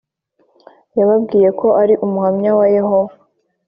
Yababwiye ko ari Umuhamya wa yehova